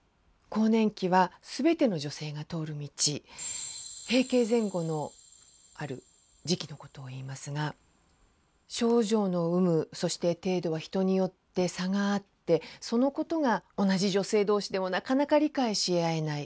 更年期は全ての女性が通る道閉経前後のある時期のことをいいますが症状の有無そして程度は人によって差があってそのことが同じ女性同士でもなかなか理解し合えない。